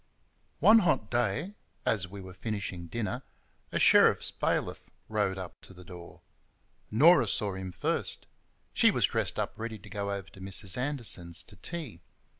One hot day, as we were finishing dinner, a sheriff's bailiff rode up to the door. Norah saw him first. She was dressed up ready to go over to Mrs. Anderson's to tea.